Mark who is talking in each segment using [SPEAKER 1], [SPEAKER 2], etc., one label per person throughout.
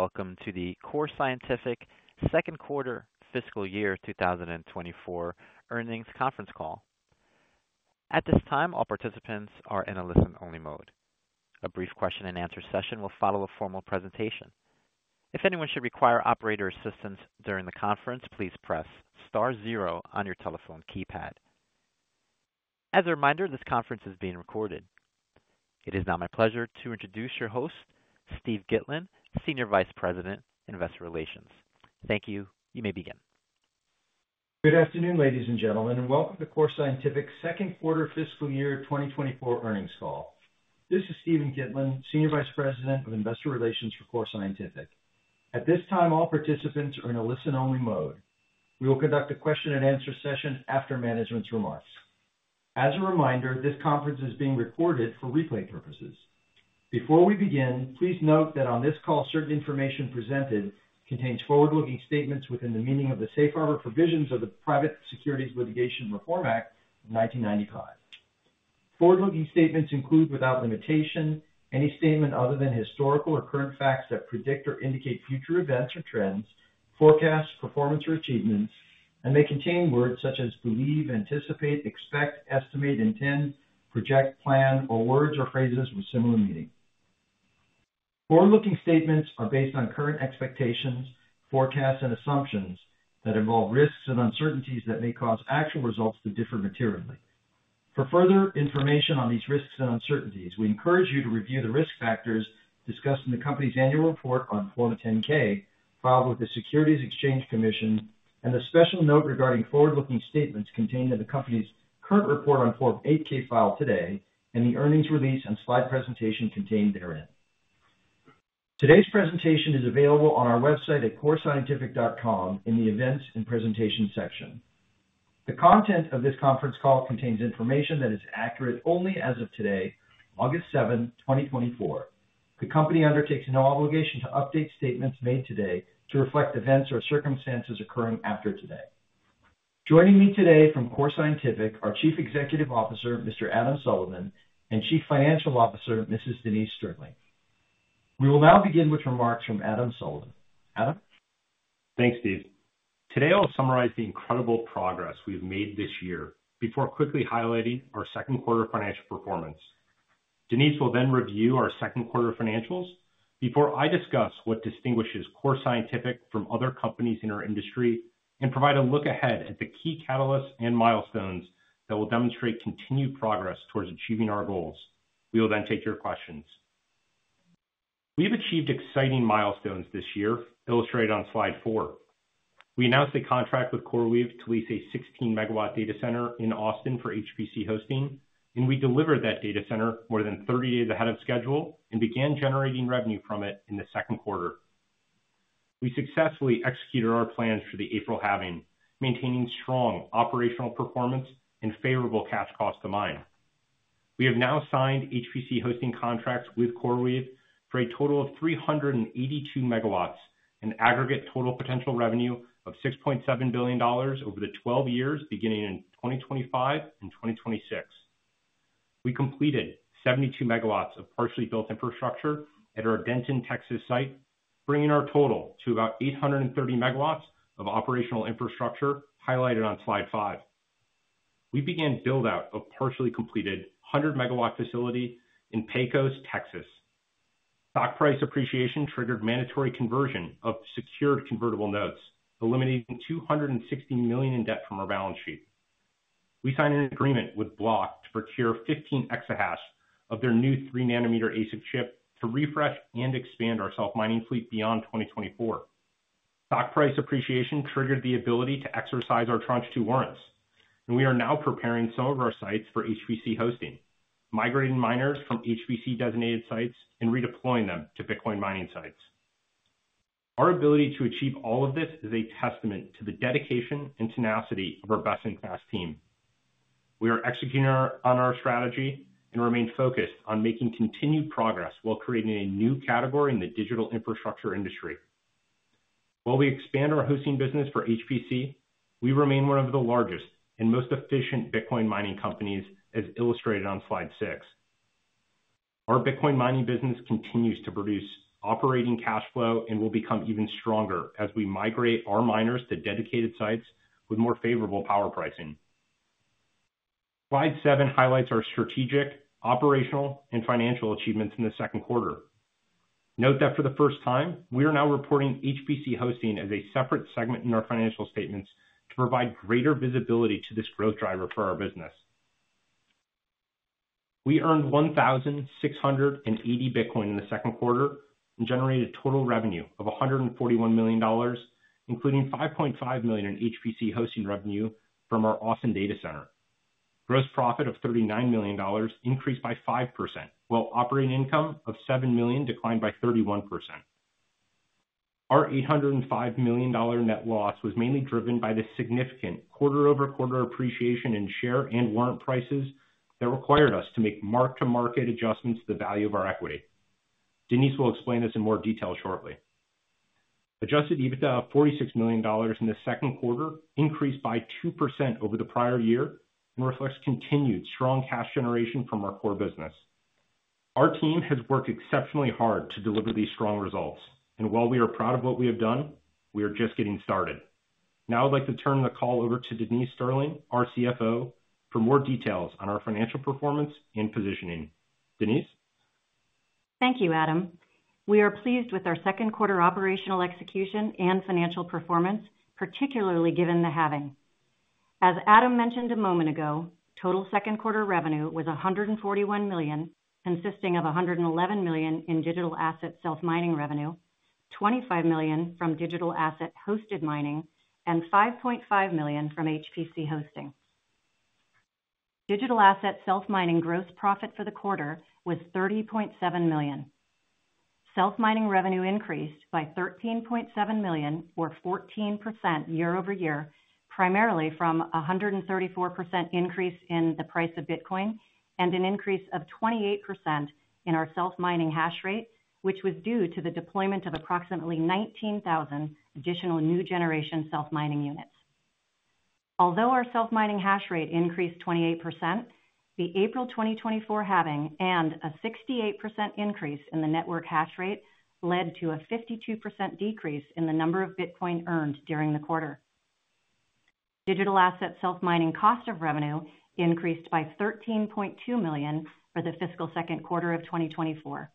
[SPEAKER 1] Welcome to the Core Scientific Second Quarter Fiscal year 2024 Earnings Conference Call. At this time, all participants are in a listen-only mode. A brief question and answer session will follow a formal presentation. If anyone should require operator assistance during the conference, please press star zero on your telephone keypad. As a reminder, this conference is being recorded. It is now my pleasure to introduce your host, Steve Gitlin, Senior Vice President, Investor Relations. Thank you. You may begin.
[SPEAKER 2] Good afternoon, ladies and gentlemen, and welcome to Core Scientific's Second Quarter Fiscal Year 2024 Earnings Call. This is Steve Gitlin, Senior Vice President of Investor Relations for Core Scientific. At this time, all participants are in a listen-only mode. We will conduct a question and answer session after management's remarks. As a reminder, this conference is being recorded for replay purposes. Before we begin, please note that on this call, certain information presented contains forward-looking statements within the meaning of the safe harbor provisions of the Private Securities Litigation Reform Act of 1995. Forward-looking statements include, without limitation, any statement other than historical or current facts that predict or indicate future events or trends, forecasts, performance, or achievements, and may contain words such as believe, anticipate, expect, estimate, intend, project, plan, or words or phrases with similar meaning. Forward-looking statements are based on current expectations, forecasts, and assumptions that involve risks and uncertainties that may cause actual results to differ materially. For further information on these risks and uncertainties, we encourage you to review the risk factors discussed in the company's annual report on Form 10-K, filed with the Securities and Exchange Commission, and a special note regarding forward-looking statements contained in the company's current report on Form 8-K filed today, and the earnings release and slide presentation contained therein. Today's presentation is available on our website at corescientific.com in the Events and Presentation section. The content of this conference call contains information that is accurate only as of today, August 7, 2024. The company undertakes no obligation to update statements made today to reflect events or circumstances occurring after today. Joining me today from Core Scientific, our Chief Executive Officer, Mr. Adam Sullivan, and Chief Financial Officer, Mrs. Denise Sterling. We will now begin with remarks from Adam Sullivan. Adam?
[SPEAKER 3] Thanks, Steve. Today, I'll summarize the incredible progress we've made this year before quickly highlighting our second quarter financial performance. Denise will then review our second quarter financials before I discuss what distinguishes Core Scientific from other companies in our industry and provide a look ahead at the key catalysts and milestones that will demonstrate continued progress towards achieving our goals. We will then take your questions. We have achieved exciting milestones this year, illustrated on slide 4. We announced a contract with CoreWeave to lease a 16 MW data center in Austin for HPC hosting, and we delivered that data center more than 30 days ahead of schedule and began generating revenue from it in the second quarter. We successfully executed our plans for the April halving, maintaining strong operational performance and favorable cash cost to mine. We have now signed HPC hosting contracts with CoreWeave for a total of 382 MW, an aggregate total potential revenue of $6.7 billion over the 12 years, beginning in 2025 and 2026. We completed 72 MW of partially built infrastructure at our Denton, Texas site, bringing our total to about 830 MW of operational infrastructure, highlighted on slide 5. We began build-out of partially completed 100-MW facility in Pecos, Texas. Stock price appreciation triggered mandatory conversion of secured convertible notes, eliminating $260 million in debt from our balance sheet. We signed an agreement with Block for thier 15 exahash of their new 3-nanometer ASIC chip to refresh and expand our self-mining fleet beyond 2024. Stock price appreciation triggered the ability to exercise our Tranche 2 warrants, and we are now preparing some of our sites for HPC hosting, migrating miners from HPC-designated sites and redeploying them to Bitcoin mining sites. Our ability to achieve all of this is a testament to the dedication and tenacity of our best-in-class team. We are executing on our strategy and remain focused on making continued progress while creating a new category in the digital infrastructure industry. While we expand our hosting business for HPC, we remain one of the largest and most efficient Bitcoin mining companies, as illustrated on slide 6. Our Bitcoin mining business continues to produce operating cash flow and will become even stronger as we migrate our miners to dedicated sites with more favorable power pricing. Slide 7 highlights our strategic, operational, and financial achievements in the second quarter. Note that for the first time, we are now reporting HPC hosting as a separate segment in our financial statements to provide greater visibility to this growth driver for our business. We earned 1,680 Bitcoin in the second quarter and generated total revenue of $141 million, including $5.5 million in HPC hosting revenue from our Austin data center. Gross profit of $39 million increased by 5%, while operating income of $7 million declined by 31%. Our $805 million net loss was mainly driven by the significant quarter-over-quarter appreciation in share and warrant prices that required us to make mark-to-market adjustments to the value of our equity. Denise will explain this in more detail shortly. Adjusted EBITDA of $46 million in the second quarter increased by 2% over the prior year, and reflects continued strong cash generation from our core business. Our team has worked exceptionally hard to deliver these strong results, and while we are proud of what we have done, we are just getting started. Now I'd like to turn the call over to Denise Sterling, our CFO, for more details on our financial performance and positioning. Denise?
[SPEAKER 4] Thank you, Adam. We are pleased with our second quarter operational execution and financial performance, particularly given the halving. As Adam mentioned a moment ago, total second quarter revenue was $141 million, consisting of $111 million in digital asset self-mining revenue, $25 million from digital asset hosted mining, and $5.5 million from HPC hosting. Digital asset self-mining gross profit for the quarter was $30.7 million. Self-mining revenue increased by $13.7 million, or 14% year-over-year, primarily from a 134% increase in the price of Bitcoin, and an increase of 28% in our self-mining hash rate, which was due to the deployment of approximately 19,000 additional new generation self-mining units. Although our self-mining hash rate increased 28%, the April 2024 halving and a 68% increase in the network hash rate led to a 52% decrease in the number of Bitcoin earned during the quarter. Digital asset self-mining cost of revenue increased by $13.2 million for the fiscal second quarter of 2024.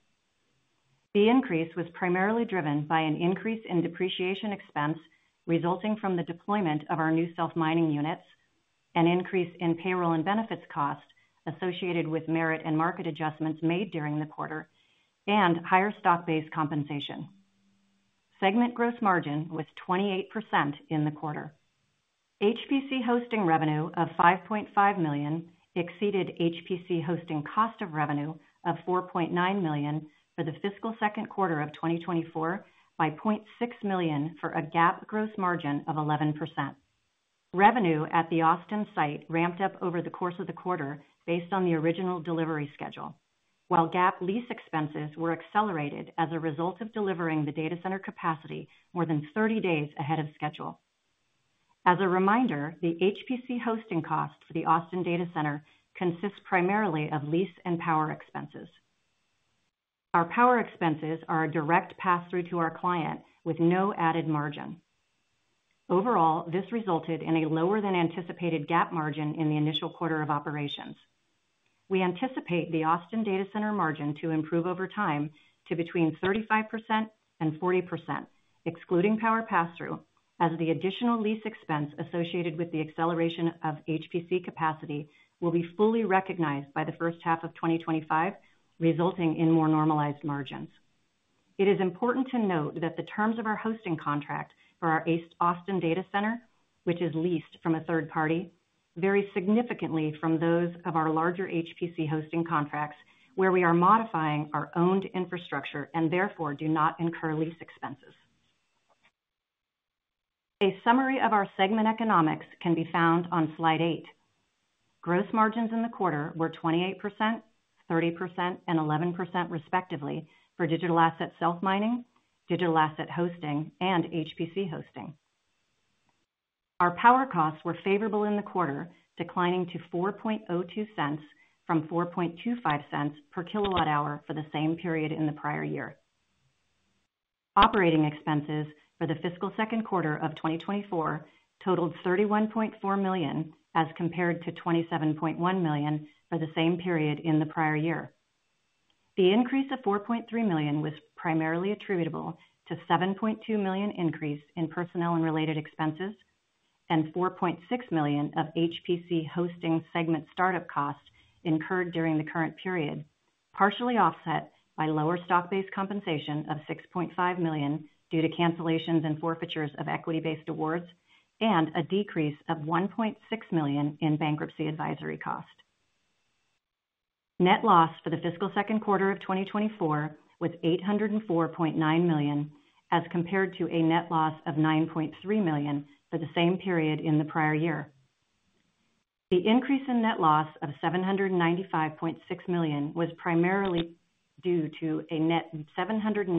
[SPEAKER 4] The increase was primarily driven by an increase in depreciation expense resulting from the deployment of our new self-mining units, an increase in payroll and benefits costs associated with merit and market adjustments made during the quarter, and higher stock-based compensation. Segment gross margin was 28% in the quarter. HPC hosting revenue of $5.5 million exceeded HPC hosting cost of revenue of $4.9 million for the fiscal second quarter of 2024 by $0.6 million, for a GAAP gross margin of 11%. Revenue at the Austin site ramped up over the course of the quarter based on the original delivery schedule, while GAAP lease expenses were accelerated as a result of delivering the data center capacity more than 30 days ahead of schedule. As a reminder, the HPC hosting cost for the Austin Data Center consists primarily of lease and power expenses. Our power expenses are a direct pass-through to our client with no added margin. Overall, this resulted in a lower than anticipated GAAP margin in the initial quarter of operations. We anticipate the Austin Data Center margin to improve over time to between 35% and 40%, excluding power pass-through, as the additional lease expense associated with the acceleration of HPC capacity will be fully recognized by the first half of 2025, resulting in more normalized margins. It is important to note that the terms of our hosting contract for our HPE Austin Data Center, which is leased from a third party, vary significantly from those of our larger HPC hosting contracts, where we are modifying our owned infrastructure and therefore do not incur lease expenses. A summary of our segment economics can be found on slide 8. Gross margins in the quarter were 28%, 30%, and 11%, respectively, for digital asset self-mining, digital asset hosting, and HPC hosting. Our power costs were favorable in the quarter, declining to $0.0402 from $0.0425 per kWh for the same period in the prior year. Operating expenses for the fiscal second quarter of 2024 totaled $31.4 million, as compared to $27.1 million for the same period in the prior year. The increase of $4.3 million was primarily attributable to $7.2 million increase in personnel and related expenses, and $4.6 million of HPC hosting segment startup costs incurred during the current period, partially offset by lower stock-based compensation of $6.5 million due to cancellations and forfeitures of equity-based awards, and a decrease of $1.6 million in bankruptcy advisory cost. Net loss for the fiscal second quarter of 2024 was $804.9 million, as compared to a net loss of $9.3 million for the same period in the prior year. The increase in net loss of $795.6 million was primarily due to a net $796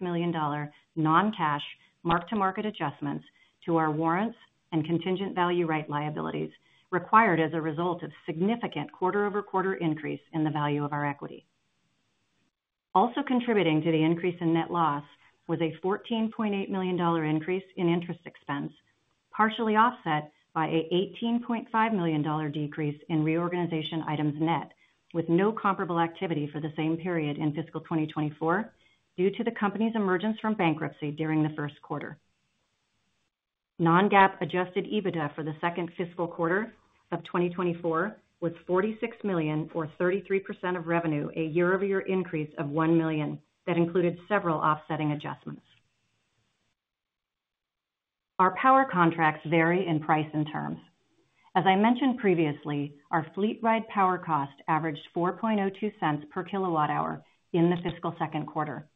[SPEAKER 4] million non-cash mark-to-market adjustments to our warrants and contingent value right liabilities, required as a result of significant quarter-over-quarter increase in the value of our equity. Also contributing to the increase in net loss was a $14.8 million increase in interest expense, partially offset by an $18.5 million decrease in reorganization items net, with no comparable activity for the same period in fiscal 2024, due to the company's emergence from bankruptcy during the first quarter. Non-GAAP adjusted EBITDA for the second fiscal quarter of 2024 was $46 million, or 33% of revenue, a year-over-year increase of $1 million that included several offsetting adjustments. Our power contracts vary in price and terms. As I mentioned previously, our fleet-wide power cost averaged $0.0402 per kWh in the fiscal second quarter.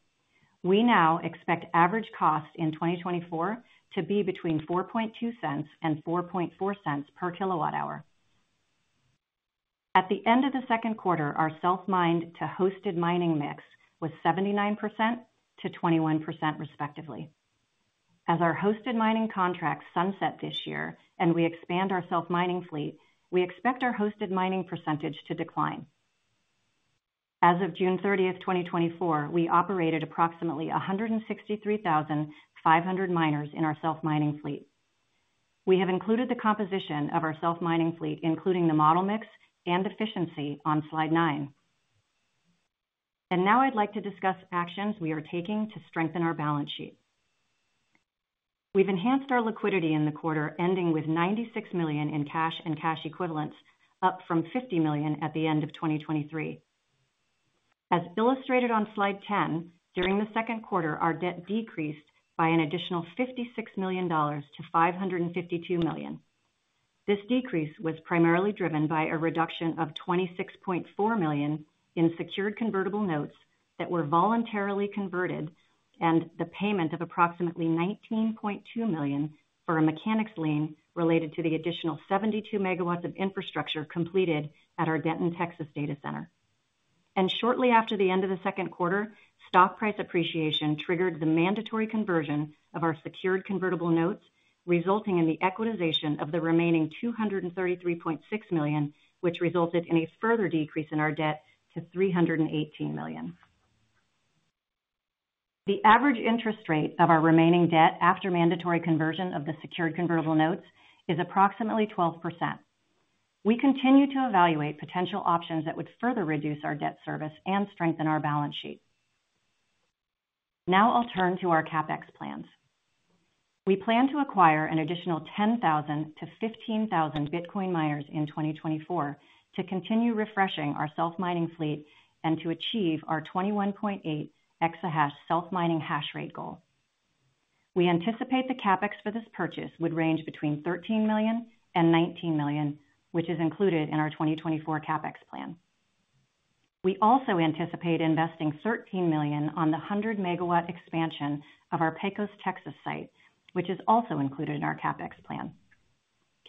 [SPEAKER 4] We now expect average costs in 2024 to be between $0.042-$0.044 per kWh. At the end of the second quarter, our self-mining to hosted mining mix was 79%-21%, respectively. As our hosted mining contracts sunset this year and we expand our self-mining fleet, we expect our hosted mining percentage to decline. As of June 30, 2024, we operated approximately 163,500 miners in our self-mining fleet. We have included the composition of our self-mining fleet, including the model mix and efficiency on slide 9. And now I'd like to discuss actions we are taking to strengthen our balance sheet. We've enhanced our liquidity in the quarter, ending with $96 million in cash and cash equivalents, up from $50 million at the end of 2023. As illustrated on Slide 10, during the second quarter, our debt decreased by an additional $56 million to $552 million. This decrease was primarily driven by a reduction of $26.4 million in secured convertible notes that were voluntarily converted, and the payment of approximately $19.2 million for a mechanics lien related to the additional 72 MW of infrastructure completed at our Denton, Texas data center. Shortly after the end of the second quarter, stock price appreciation triggered the mandatory conversion of our secured convertible notes, resulting in the equitization of the remaining $233.6 million, which resulted in a further decrease in our debt to $318 million. The average interest rate of our remaining debt after mandatory conversion of the secured convertible notes is approximately 12%. We continue to evaluate potential options that would further reduce our debt service and strengthen our balance sheet. Now I'll turn to our CapEx plans. We plan to acquire an additional 10,000-15,000 Bitcoin miners in 2024 to continue refreshing our self-mining fleet and to achieve our 21.8 exahash self-mining hash rate goal. We anticipate the CapEx for this purchase would range between $13 million-$19 million, which is included in our 2024 CapEx plan. We also anticipate investing $13 million on the 100-megawatt expansion of our Pecos, Texas site, which is also included in our CapEx plan.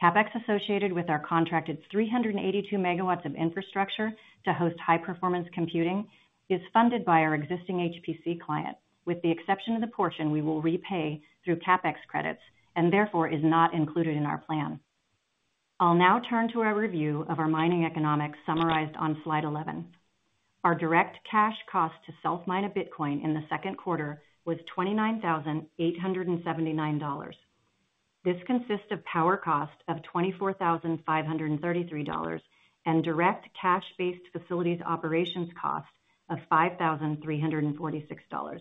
[SPEAKER 4] CapEx, associated with our contracted 382 MW of infrastructure to host high-performance computing, is funded by our existing HPC client, with the exception of the portion we will repay through CapEx credits and therefore is not included in our plan. I'll now turn to a review of our mining economics, summarized on slide 11. Our direct cash cost to self-mine a Bitcoin in the second quarter was $29,879. This consists of power costs of $24,533 and direct cash-based facilities operations costs of $5,346,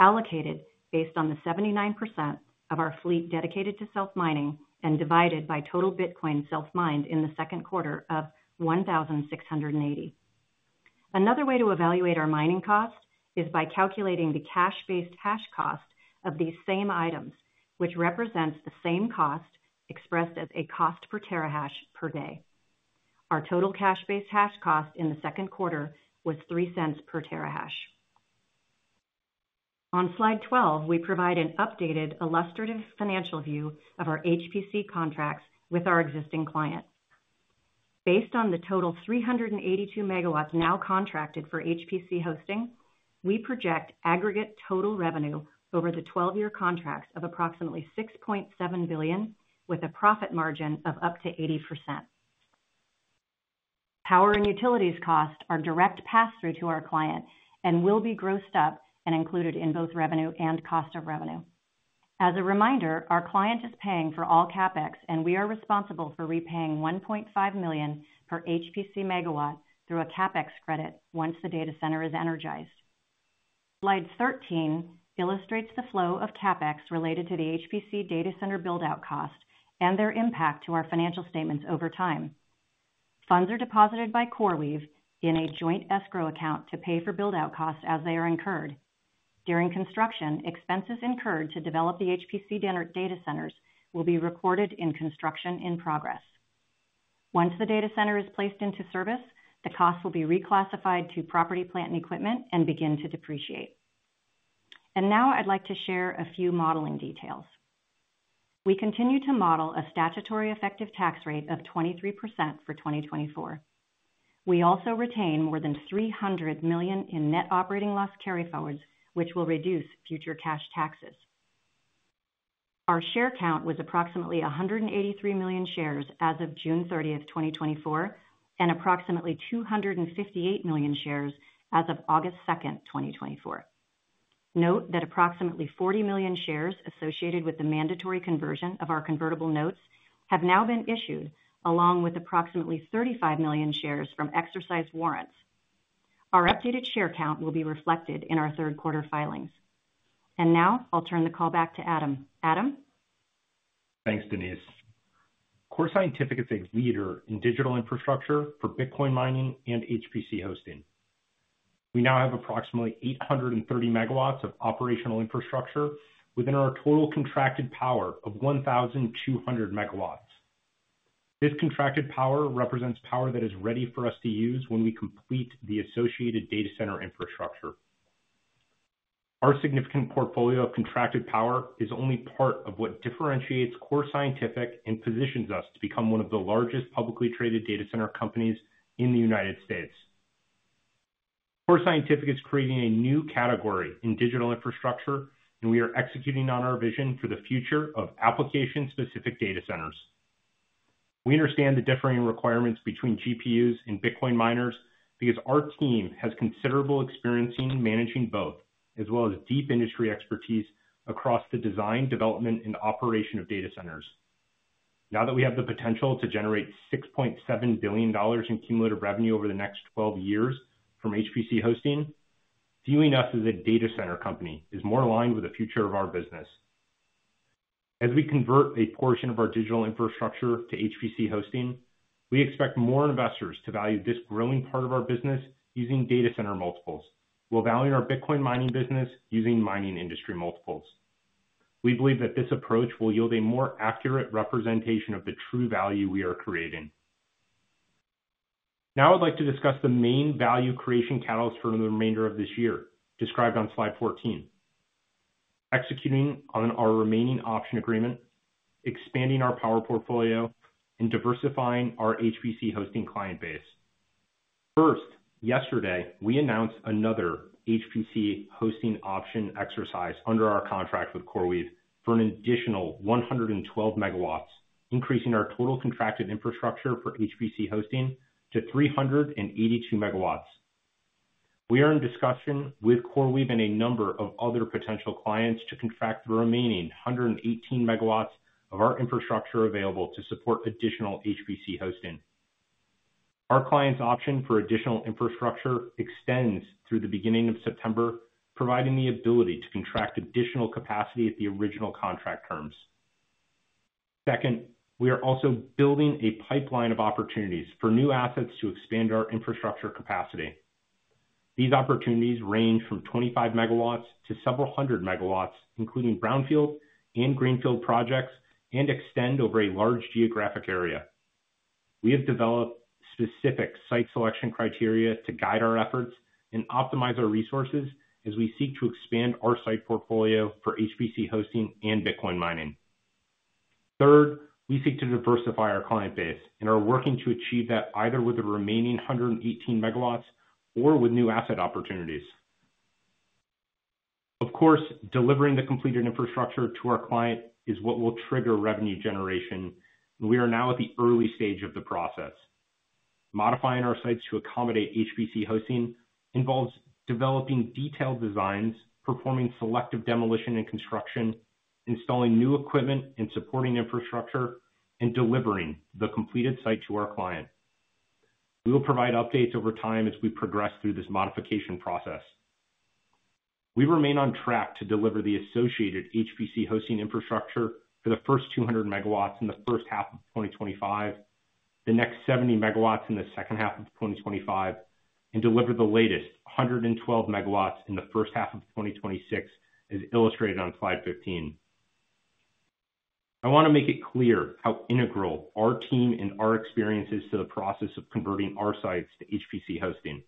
[SPEAKER 4] allocated based on the 79% of our fleet dedicated to self-mining and divided by total Bitcoin self-mined in the second quarter of 1,680. Another way to evaluate our mining cost is by calculating the cash-based hash cost of these same items, which represents the same cost expressed as a cost per terahash per day. Our total cash-based hash cost in the second quarter was $0.03 per terahash. On slide 12, we provide an updated illustrative financial view of our HPC contracts with our existing clients. Based on the total 382 MW now contracted for HPC hosting, we project aggregate total revenue over the 12-year contracts of approximately $6.7 billion, with a profit margin of up to 80%. Power and utilities costs are direct pass-through to our client and will be grossed up and included in both revenue and cost of revenue. As a reminder, our client is paying for all CapEx, and we are responsible for repaying $1.5 million per HPC megawatt through a CapEx credit once the data center is energized. Slide 13 illustrates the flow of CapEx related to the HPC data center build-out cost and their impact to our financial statements over time. Funds are deposited by CoreWeave in a joint escrow account to pay for build-out costs as they are incurred. During construction, expenses incurred to develop the HPC data centers will be recorded in construction in progress. Once the data center is placed into service, the costs will be reclassified to property, plant, and equipment and begin to depreciate. And now I'd like to share a few modeling details. We continue to model a statutory effective tax rate of 23% for 2024. We also retain more than $300 million in net operating loss carryforwards, which will reduce future cash taxes. Our share count was approximately 183 million shares as of June 30th, 2024, and approximately 258 million shares as of August 2nd, 2024. Note that approximately 40 million shares associated with the mandatory conversion of our convertible notes have now been issued, along with approximately 35 million shares from exercised warrants. Our updated share count will be reflected in our third quarter filings. Now I'll turn the call back to Adam. Adam?
[SPEAKER 3] Thanks, Denise. Core Scientific is a leader in digital infrastructure for Bitcoin mining and HPC hosting. We now have approximately 830 MW of operational infrastructure within our total contracted power of 1,200 MW. This contracted power represents power that is ready for us to use when we complete the associated data center infrastructure. Our significant portfolio of contracted power is only part of what differentiates Core Scientific and positions us to become one of the largest publicly traded data center companies in the United States. Core Scientific is creating a new category in digital infrastructure, and we are executing on our vision for the future of application-specific data centers. We understand the differing requirements between GPUs and Bitcoin miners because our team has considerable experience in managing both, as well as deep industry expertise across the design, development, and operation of data centers. Now that we have the potential to generate $6.7 billion in cumulative revenue over the next 12 years from HPC hosting, viewing us as a data center company is more aligned with the future of our business. As we convert a portion of our digital infrastructure to HPC hosting, we expect more investors to value this growing part of our business using data center multiples. We'll value our Bitcoin mining business using mining industry multiples. We believe that this approach will yield a more accurate representation of the true value we are creating. Now, I'd like to discuss the main value creation catalyst for the remainder of this year, described on slide 14. Executing on our remaining option agreement, expanding our power portfolio, and diversifying our HPC hosting client base. First, yesterday, we announced another HPC hosting option exercise under our contract with CoreWeave for an additional 112 MW, increasing our total contracted infrastructure for HPC hosting to 382 MW. We are in discussion with CoreWeave and a number of other potential clients to contract the remaining 118 MW of our infrastructure available to support additional HPC hosting. Our client's option for additional infrastructure extends through the beginning of September, providing the ability to contract additional capacity at the original contract terms. Second, we are also building a pipeline of opportunities for new assets to expand our infrastructure capacity. These opportunities range from 25 MW to several hundred MW, including brownfield and greenfield projects, and extend over a large geographic area. We have developed specific site selection criteria to guide our efforts and optimize our resources as we seek to expand our site portfolio for HPC hosting and Bitcoin mining. Third, we seek to diversify our client base and are working to achieve that either with the remaining 118 MW or with new asset opportunities. Of course, delivering the completed infrastructure to our client is what will trigger revenue generation, and we are now at the early stage of the process. Modifying our sites to accommodate HPC hosting involves developing detailed designs, performing selective demolition and construction, installing new equipment and supporting infrastructure, and delivering the completed site to our client. We will provide updates over time as we progress through this modification process. We remain on track to deliver the associated HPC hosting infrastructure for the first 200 MW in the first half of 2025, the next 70 MW in the second half of 2025, and deliver the latest 112 MW in the first half of 2026, as illustrated on slide 15. I want to make it clear how integral our team and our experience is to the process of converting our sites to HPC hosting.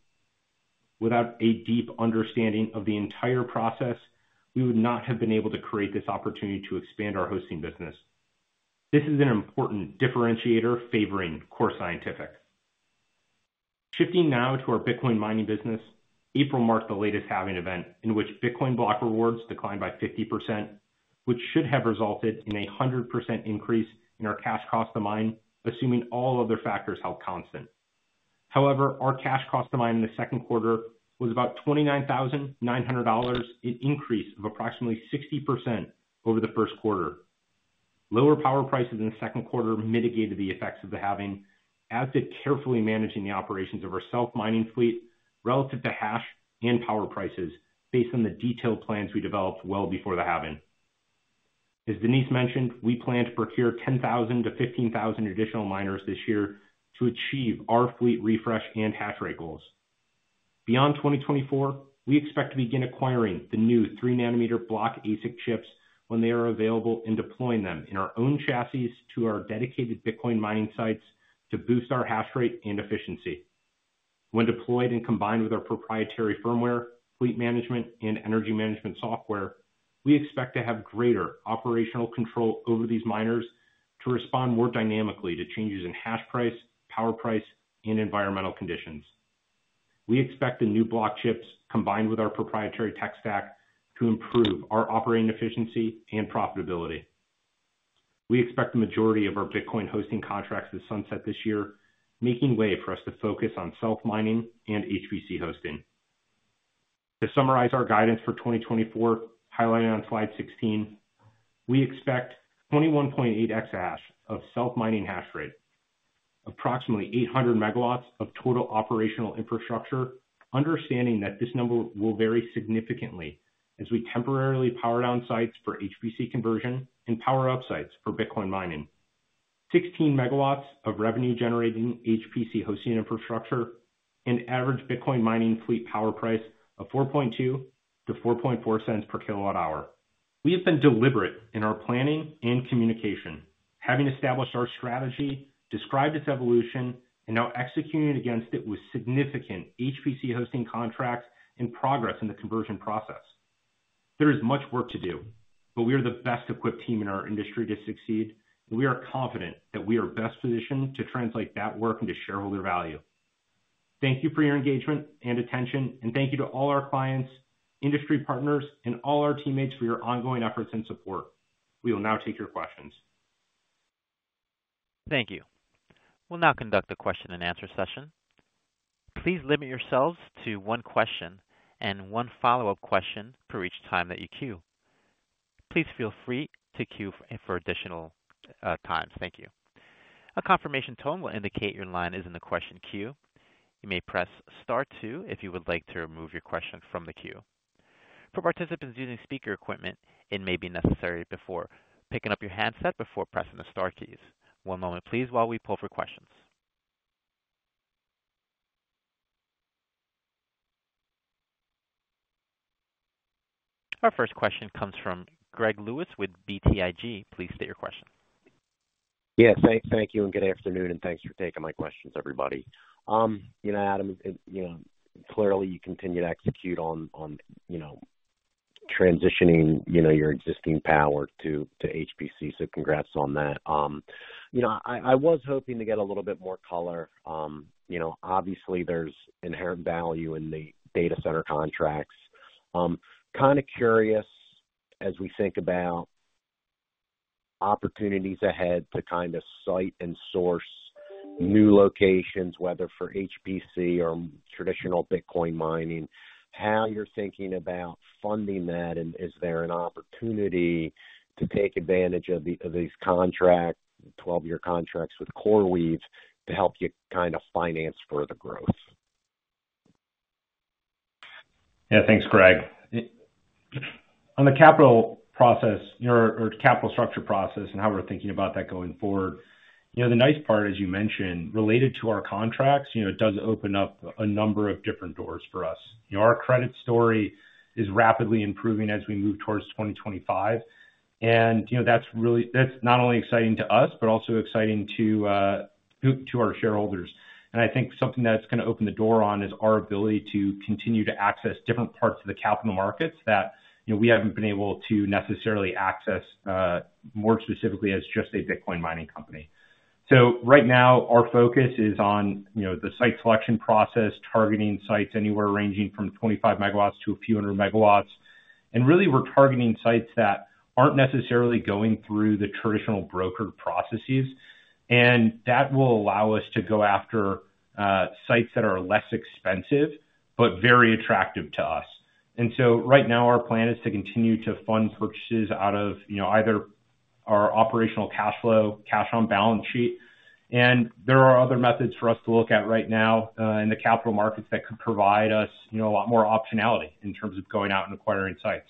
[SPEAKER 3] Without a deep understanding of the entire process, we would not have been able to create this opportunity to expand our hosting business. This is an important differentiator favoring Core Scientific. Shifting now to our Bitcoin mining business. April marked the latest Halving event, in which Bitcoin block rewards declined by 50%, which should have resulted in a 100% increase in our cash cost to mine, assuming all other factors held constant. However, our cash cost to mine in the second quarter was about $29,900, an increase of approximately 60% over the first quarter. Lower power prices in the second quarter mitigated the effects of the Halving, as did carefully managing the operations of our self-mining fleet relative to hash and power prices, based on the detailed plans we developed well before the Halving. As Denise mentioned, we plan to procure 10,000-15,000 additional miners this year to achieve our fleet refresh and hash rate goals. Beyond 2024, we expect to begin acquiring the new 3-nanometer Block ASIC chips when they are available, and deploying them in our own chassis to our dedicated Bitcoin mining sites to boost our hash rate and efficiency. When deployed and combined with our proprietary firmware, fleet management, and energy management software, we expect to have greater operational control over these miners to respond more dynamically to changes in hash price, power price, and environmental conditions. We expect the new Block chips, combined with our proprietary tech stack, to improve our operating efficiency and profitability. We expect the majority of our Bitcoin hosting contracts to sunset this year, making way for us to focus on self-mining and HPC hosting. To summarize our guidance for 2024, highlighted on slide 16, we expect 21.8 Exahash of self-mining hash rate, approximately 800 MW of total operational infrastructure, understanding that this number will vary significantly as we temporarily power down sites for HPC conversion and power up sites for Bitcoin mining. 16 MW of revenue-generating HPC hosting infrastructure, and average Bitcoin mining fleet power price of $0.042-$0.044 per kWh. We have been deliberate in our planning and communication, having established our strategy, described its evolution, and now executing against it with significant HPC hosting contracts and progress in the conversion process. There is much work to do, but we are the best equipped team in our industry to succeed, and we are confident that we are best positioned to translate that work into shareholder value. Thank you for your engagement and attention, and thank you to all our clients, industry partners, and all our teammates for your ongoing efforts and support. We will now take your questions.
[SPEAKER 1] Thank you. We'll now conduct a question-and-answer session. Please limit yourselves to one question and one follow-up question per each time that you queue. Please feel free to queue for additional times. Thank you. A confirmation tone will indicate your line is in the question queue. You may press star two if you would like to remove your question from the queue. For participants using speaker equipment, it may be necessary before picking up your handset before pressing the star keys. One moment please, while we pull for questions. Our first question comes from Greg Lewis with BTIG. Please state your question.
[SPEAKER 5] Yes, thank you, and good afternoon, and thanks for taking my questions, everybody. You know, Adam, you know, clearly you continue to execute on, you know, transitioning, you know, your existing power to, to HPC, so congrats on that. You know, I was hoping to get a little bit more color. You know, obviously there's inherent value in the data center contracts. Kind of curious, as we think about opportunities ahead to kind of site and source new locations, whether for HPC or traditional Bitcoin mining, how you're thinking about funding that, and is there an opportunity to take advantage of these contracts, 12-year contracts with CoreWeave to help you kind of finance further growth?
[SPEAKER 3] Yeah, thanks, Greg. On the capital process or capital structure process and how we're thinking about that going forward, you know, the nice part, as you mentioned, related to our contracts, you know, it does open up a number of different doors for us. You know, our credit story is rapidly improving as we move towards 2025. And, you know, that's really--that's not only exciting to us, but also exciting to our shareholders. And I think something that's going to open the door on is our ability to continue to access different parts of the capital markets that, you know, we haven't been able to necessarily access more specifically as just a Bitcoin mining company. So right now, our focus is on, you know, the site selection process, targeting sites anywhere ranging from 25 MW to a few hundred MW. And really, we're targeting sites that aren't necessarily going through the traditional brokered processes, and that will allow us to go after sites that are less expensive but very attractive to us. And so right now, our plan is to continue to fund purchases out of, you know, either our operational cash flow, cash on balance sheet, and there are other methods for us to look at right now in the capital markets that could provide us, you know, a lot more optionality in terms of going out and acquiring sites.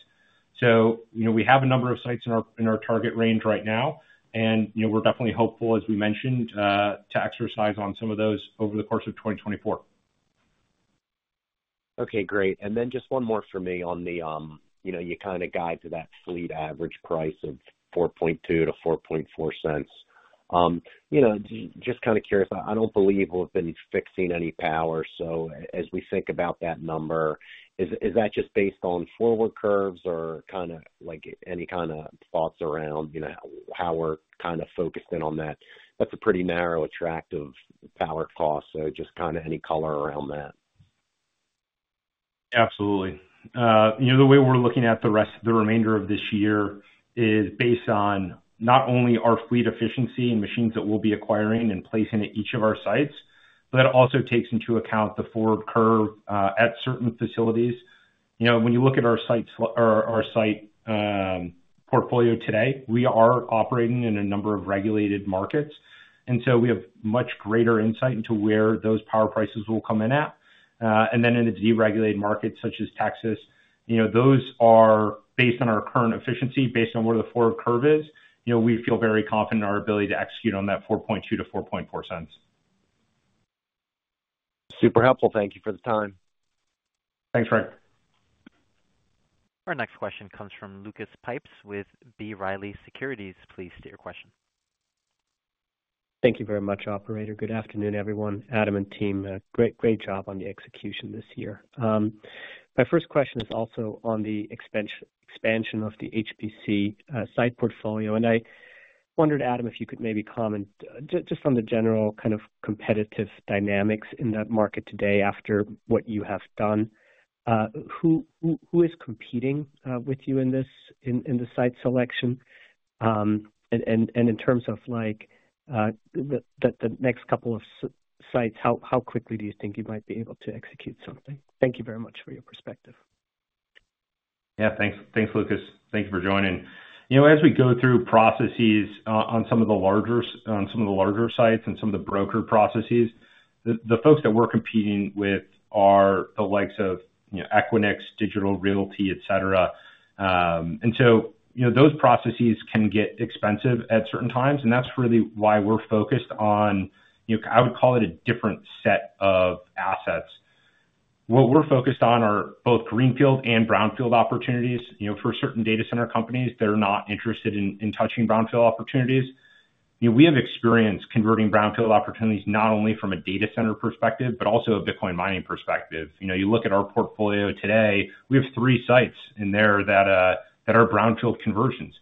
[SPEAKER 3] So, you know, we have a number of sites in our target range right now, and, you know, we're definitely hopeful, as we mentioned, to exercise on some of those over the course of 2024.
[SPEAKER 5] Okay, great. Then just one more for me on the, you know, you kind of guide to that fleet average price of $0.042-$0.044. You know, just kind of curious, I don't believe we've been fixing any power. So as we think about that number, is that just based on forward curves or kind of like any kind of thoughts around, you know, how we're kind of focused in on that? That's a pretty narrow attractive power cost. So just kind of any color around that.
[SPEAKER 3] Absolutely. You know, the way we're looking at the remainder of this year is based on not only our fleet efficiency and machines that we'll be acquiring and placing at each of our sites, but it also takes into account the forward curve at certain facilities. You know, when you look at our site or our site portfolio today, we are operating in a number of regulated markets, and so we have much greater insight into where those power prices will come in at. And then in a deregulated market, such as Texas, you know, those are based on our current efficiency, based on where the forward curve is. You know, we feel very confident in our ability to execute on that $0.042-$0.044.
[SPEAKER 5] Super helpful. Thank you for the time.
[SPEAKER 3] Thanks, Greg.
[SPEAKER 1] Our next question comes from Lucas Pipes with B. Riley Securities. Please state your question.
[SPEAKER 6] Thank you very much, operator. Good afternoon, everyone, Adam and team. Great, great job on the execution this year. My first question is also on the expansion of the HPC site portfolio, and I wondered, Adam, if you could maybe comment just on the general kind of competitive dynamics in that market today after what you have done. Who is competing with you in this site selection? And in terms of like the next couple of sites, how quickly do you think you might be able to execute something? Thank you very much for your perspective.
[SPEAKER 3] Yeah, thanks. Thanks, Lucas. Thank you for joining. You know, as we go through processes on some of the larger sites and some of the broker processes, the folks that we're competing with are the likes of, you know, Equinix, Digital Realty, et cetera. And so, you know, those processes can get expensive at certain times, and that's really why we're focused on, you know, I would call it a different set of assets. What we're focused on are both greenfield and brownfield opportunities. You know, for certain data center companies, they're not interested in touching brownfield opportunities. You know, we have experience converting brownfield opportunities, not only from a data center perspective, but also a Bitcoin mining perspective. You know, you look at our portfolio today, we have three sites in there that are brownfield conversions.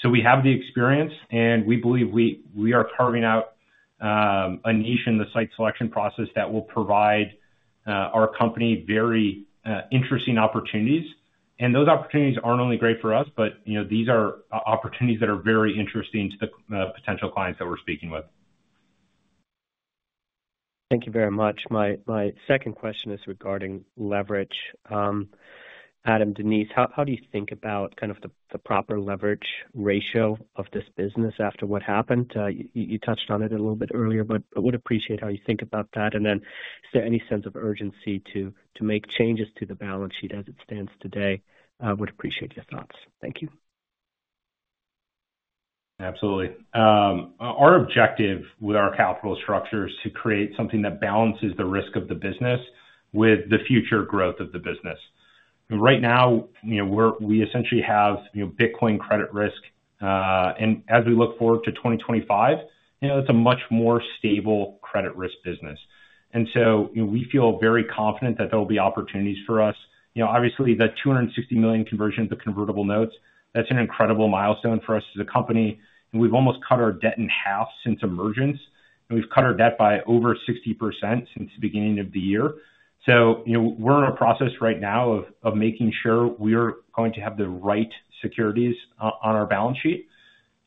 [SPEAKER 3] So we have the experience, and we believe we are carving out a niche in the site selection process that will provide our company very interesting opportunities. And those opportunities aren't only great for us, but you know, these are opportunities that are very interesting to the potential clients that we're speaking with.
[SPEAKER 6] Thank you very much. My second question is regarding leverage. Adam, Denise, how do you think about kind of the proper leverage ratio of this business after what happened? You touched on it a little bit earlier, but I would appreciate how you think about that. And then is there any sense of urgency to make changes to the balance sheet as it stands today? I would appreciate your thoughts. Thank you.
[SPEAKER 3] Absolutely. Our objective with our capital structure is to create something that balances the risk of the business with the future growth of the business. Right now, you know, we're we essentially have, you know, Bitcoin credit risk, and as we look forward to 2025, you know, it's a much more stable credit risk business. And so, you know, we feel very confident that there will be opportunities for us. You know, obviously, the $260 million conversion of the convertible notes, that's an incredible milestone for us as a company, and we've almost cut our debt in half since emergence, and we've cut our debt by over 60% since the beginning of the year. So, you know, we're in a process right now of making sure we're going to have the right securities on our balance sheet.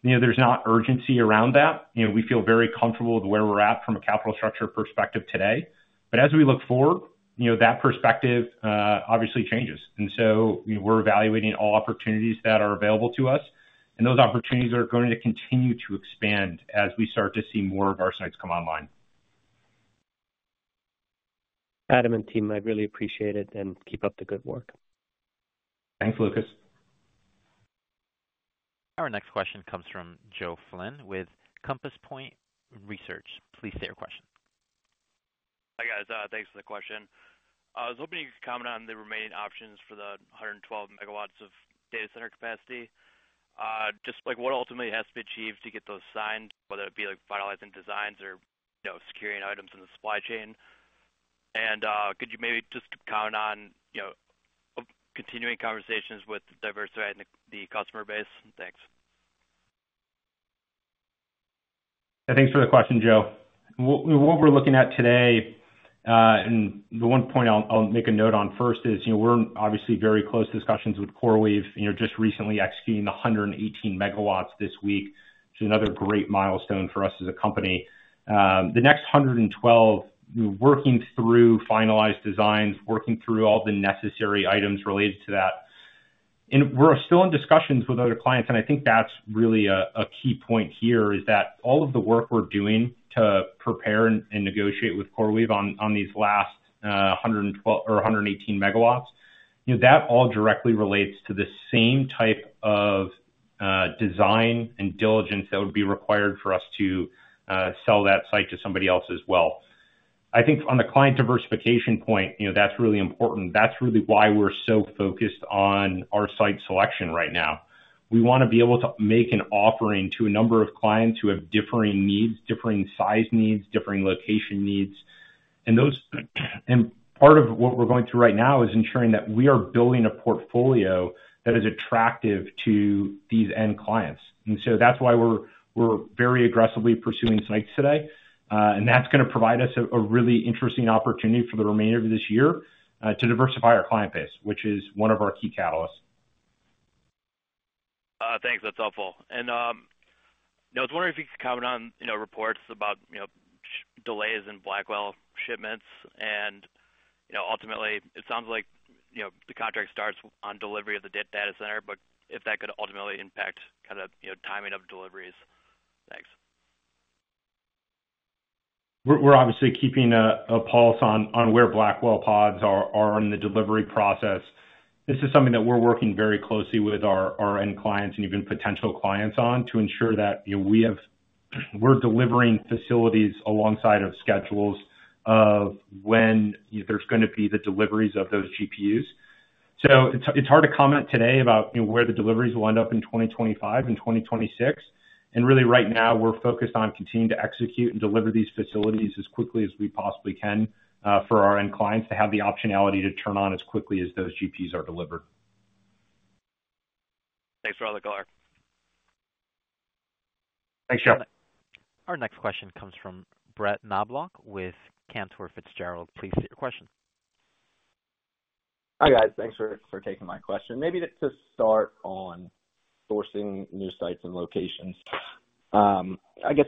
[SPEAKER 3] You know, there's not urgency around that. You know, we feel very comfortable with where we're at from a capital structure perspective today. But as we look forward, you know, that perspective, obviously changes. And so we're evaluating all opportunities that are available to us, and those opportunities are going to continue to expand as we start to see more of our sites come online.
[SPEAKER 6] Adam and team, I really appreciate it, and keep up the good work.
[SPEAKER 3] Thanks, Lucas.
[SPEAKER 1] Our next question comes from Joe Flynn with Compass Point Research. Please state your question.
[SPEAKER 7] Hi, guys, thanks for the question. I was hoping you could comment on the remaining options for the 112 MW of data center capacity. Just like what ultimately has to be achieved to get those signed, whether it be like finalizing designs or, you know, securing items in the supply chain? And could you maybe just comment on, you know, continuing conversations with diversifying the customer base? Thanks.
[SPEAKER 3] Thanks for the question, Joe. What we're looking at today, and the one point I'll make a note on first is, you know, we're obviously very close discussions with CoreWeave, you know, just recently executing 118 MW this week, which is another great milestone for us as a company. The next 112, we're working through finalized designs, working through all the necessary items related to that. And we're still in discussions with other clients, and I think that's really a key point here, is that all of the work we're doing to prepare and negotiate with CoreWeave on these last 112 or 118 MW, you know, that all directly relates to the same type of design and diligence that would be required for us to sell that site to somebody else as well. I think on the client diversification point, you know, that's really important. That's really why we're so focused on our site selection right now. We want to be able to make an offering to a number of clients who have differing needs, differing size needs, differing location needs, and those. And part of what we're going through right now is ensuring that we are building a portfolio that is attractive to these end clients. And so that's why we're very aggressively pursuing sites today, and that's gonna provide us a really interesting opportunity for the remainder of this year, to diversify our client base, which is one of our key catalysts.
[SPEAKER 7] Thanks. That's helpful. And I was wondering if you could comment on, you know, reports about, you know, delays in Blackwell shipments. And, you know, ultimately, it sounds like, you know, the contract starts on delivery of the data center, but if that could ultimately impact kind of, you know, timing of deliveries. Thanks.
[SPEAKER 3] We're obviously keeping a pulse on where Blackwell pods are in the delivery process. This is something that we're working very closely with our end clients and even potential clients on to ensure that, you know, we're delivering facilities alongside of schedules of when there's gonna be the deliveries of those GPUs. So it's hard to comment today about, you know, where the deliveries will end up in 2025 and 2026. And really, right now, we're focused on continuing to execute and deliver these facilities as quickly as we possibly can for our end clients to have the optionality to turn on as quickly as those GPUs are delivered.
[SPEAKER 7] Thanks for all the color.
[SPEAKER 3] Thanks, Joe.
[SPEAKER 1] Our next question comes from Brett Knoblauch with Cantor Fitzgerald. Please state your question.
[SPEAKER 8] Hi, guys. Thanks for taking my question. Maybe just start on sourcing new sites and locations. I guess,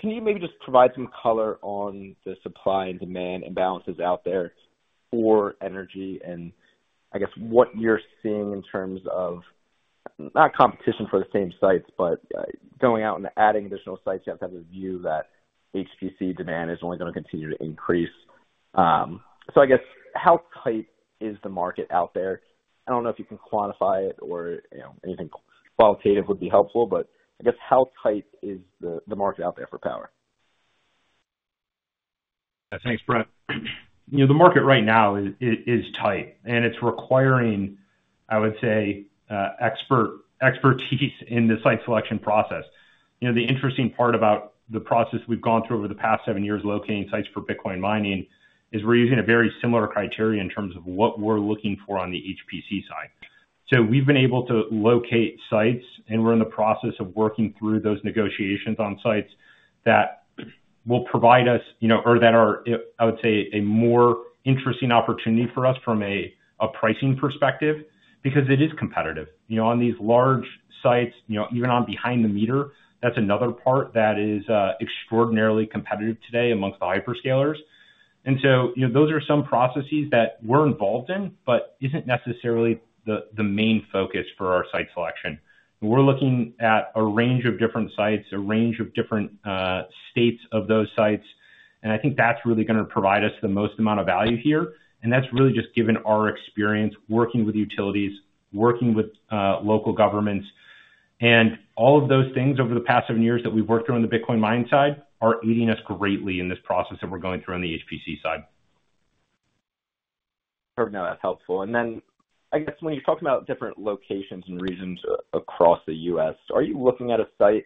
[SPEAKER 8] can you maybe just provide some color on the supply and demand imbalances out there for energy, and I guess what you're seeing in terms of, not competition for the same sites, but, going out and adding additional sites, you have to have a view that HPC demand is only gonna continue to increase. So I guess, how tight is the market out there? I don't know if you can quantify it or, you know, anything qualitative would be helpful, but I guess, how tight is the market out there for power?
[SPEAKER 3] Thanks, Brett. You know, the market right now is tight, and it's requiring, I would say, expertise in the site selection process. You know, the interesting part about the process we've gone through over the past seven years, locating sites for Bitcoin mining, is we're using a very similar criteria in terms of what we're looking for on the HPC side. So we've been able to locate sites, and we're in the process of working through those negotiations on sites that will provide us, you know, or that are, I would say, a more interesting opportunity for us from a pricing perspective, because it is competitive. You know, on these large sites, you know, even on behind the meter, that's another part that is extraordinarily competitive today amongst the hyperscalers. So, you know, those are some processes that we're involved in, but isn't necessarily the main focus for our site selection. We're looking at a range of different sites, a range of different states of those sites, and I think that's really gonna provide us the most amount of value here. And that's really just given our experience working with utilities, working with local governments. And all of those things over the past seven years that we've worked on the Bitcoin mining side are aiding us greatly in this process that we're going through on the HPC side.
[SPEAKER 8] Perfect. No, that's helpful. And then, I guess, when you talk about different locations and regions across the U.S., are you looking at a site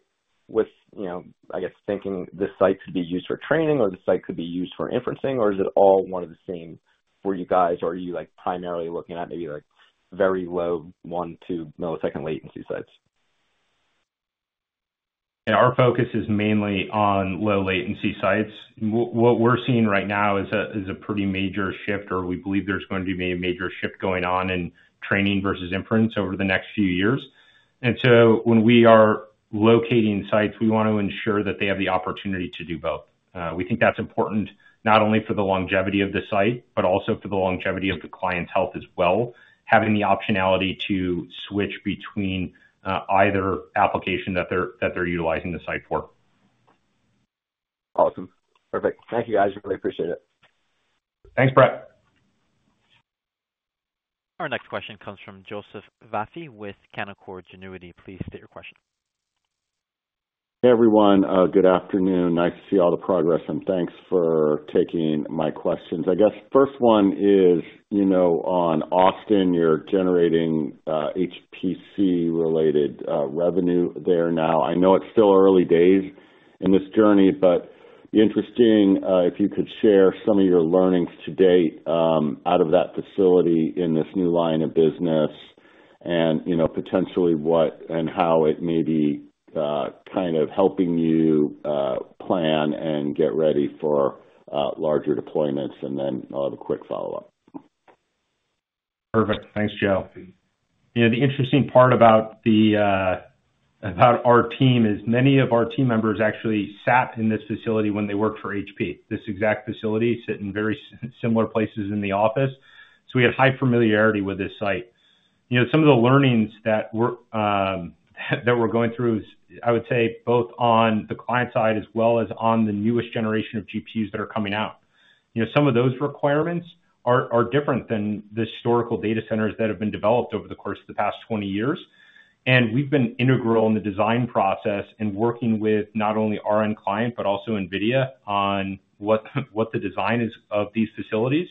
[SPEAKER 8] with, you know, I guess, thinking this site could be used for training or this site could be used for inferencing, or is it all one and the same for you guys, or are you, like, primarily looking at maybe like very low 1-2 millisecond latency sites?
[SPEAKER 3] Yeah, our focus is mainly on low latency sites. What we're seeing right now is a pretty major shift, or we believe there's going to be a major shift going on in training versus inference over the next few years. And so when we are locating sites, we want to ensure that they have the opportunity to do both. We think that's important not only for the longevity of the site, but also for the longevity of the client's health as well, having the optionality to switch between either application that they're utilizing the site for.
[SPEAKER 8] Awesome. Perfect. Thank you, guys. I really appreciate it.
[SPEAKER 3] Thanks, Brett.
[SPEAKER 1] Our next question comes from Joseph Vafi with Canaccord Genuity. Please state your question.
[SPEAKER 9] Hey, everyone, good afternoon. Nice to see all the progress, and thanks for taking my questions. I guess first one is, you know, on Austin, you're generating, HPC-related, revenue there now. I know it's still early days in this journey, but interesting, if you could share some of your learnings to date, out of that facility in this new line of business and, you know, potentially what and how it may be, kind of helping you, plan and get ready for, larger deployments. And then I'll have a quick follow-up.
[SPEAKER 3] Perfect. Thanks, Joe. You know, the interesting part about our team is many of our team members actually sat in this facility when they worked for HP. This exact facility, sat in very similar places in the office, so we have high familiarity with this site. You know, some of the learnings that we're going through is, I would say, both on the client side as well as on the newest generation of GPUs that are coming out. You know, some of those requirements are different than the historical data centers that have been developed over the course of the past 20 years. And we've been integral in the design process in working with not only our end client, but also NVIDIA, on what the design is of these facilities.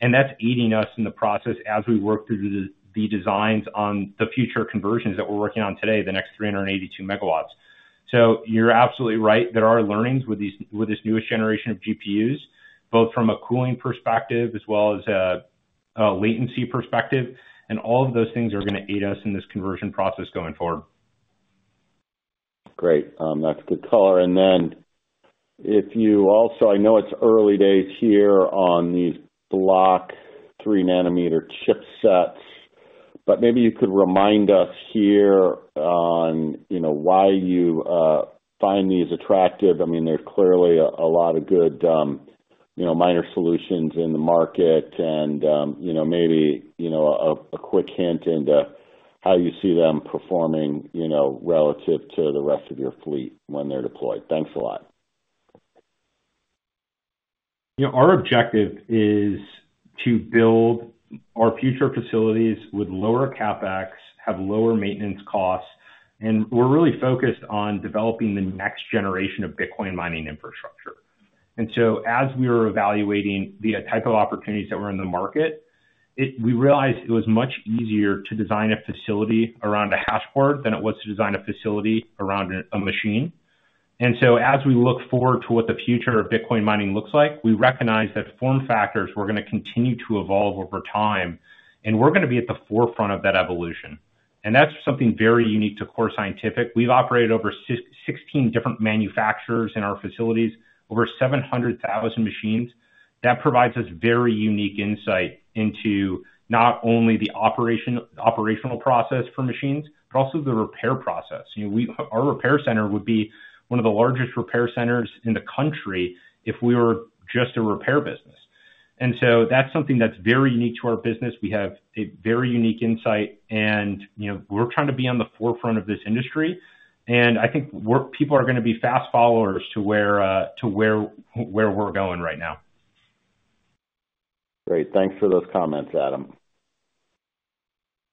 [SPEAKER 3] That's aiding us in the process as we work through the designs on the future conversions that we're working on today, the next 382 megawatts. You're absolutely right. There are learnings with this newest generation of GPUs, both from a cooling perspective as well as a latency perspective, and all of those things are gonna aid us in this conversion process going forward.
[SPEAKER 9] Great. That's good color. And then if you also. I know it's early days here on these Block 3-nanometer chipsets, but maybe you could remind us here on, you know, why you find these attractive. I mean, there's clearly a lot of good, you know, miner solutions in the market and, you know, maybe a quick hint into how you see them performing, you know, relative to the rest of your fleet when they're deployed. Thanks a lot.
[SPEAKER 3] You know, our objective is to build our future facilities with lower CapEx, have lower maintenance costs, and we're really focused on developing the next generation of Bitcoin mining infrastructure. And so as we were evaluating the type of opportunities that were in the market, we realized it was much easier to design a facility around a hashboard than it was to design a facility around a machine. And so as we look forward to what the future of Bitcoin mining looks like, we recognize that form factors were gonna continue to evolve over time, and we're gonna be at the forefront of that evolution. And that's something very unique to Core Scientific. We've operated over 16 different manufacturers in our facilities, over 700,000 machines. That provides us very unique insight into not only the operational process for machines, but also the repair process. You know, our repair center would be one of the largest repair centers in the country if we were just a repair business. And so that's something that's very unique to our business. We have a very unique insight, and, you know, we're trying to be on the forefront of this industry, and I think people are gonna be fast followers to where we're going right now.
[SPEAKER 9] Great. Thanks for those comments, Adam.